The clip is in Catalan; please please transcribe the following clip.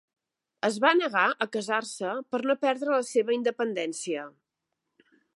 Es va negar a casar-se per no perdre la seva independència.